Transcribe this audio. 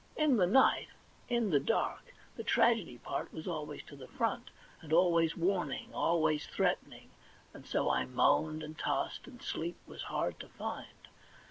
In the night, in the dark, the tragedy part was always to the front, and always warning, always threatening ; and so I moaned and tossed, and sleep was hard to find.